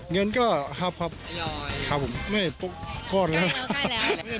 เงินก็ครับครับผมไม่ปุ๊กก้อนแล้ว